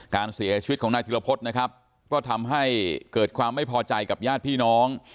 การเสียชีวิตของนายธิรพฤษนะครับก็ทำให้เกิดความไม่พอใจกับญาติพี่น้อง